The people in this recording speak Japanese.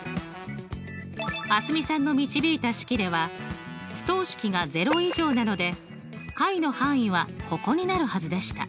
蒼澄さんの導いた式では不等式が０以上なので解の範囲はここになるはずでした。